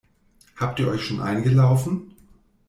Habt ihr euch schon eingelaufen?